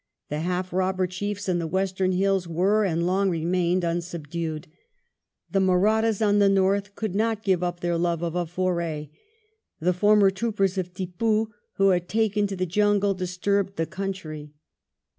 The half robber chiefs in the western hills were and long remained unsubdued; the Mahrattas on the north could not give up their love of a foray ; the former troopers of Tippoo who had taken to the jungle disturbed the country.